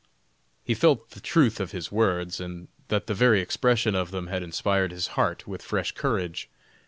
He felt the truth of his words, and that the very expression of them had inspired his heart with fresh courage.